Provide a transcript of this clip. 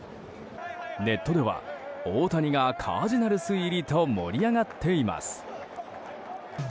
ネットでは大谷がカージナルス入りと盛り上がっています。